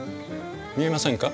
見えませんか？